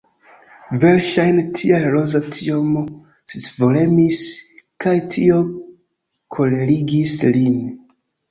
Verŝajne tial Roza tiom scivolemis kaj tio kolerigis lin.